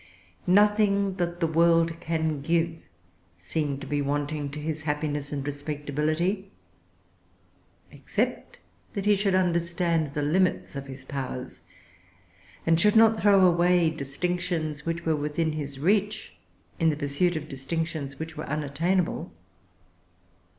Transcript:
Nothing that the world can give seemed to be wanting to his happiness and respectability, except that he should understand the limits of his powers, and should not throw away distinctions which were within his reach in the pursuit of distinctions which were unattainable.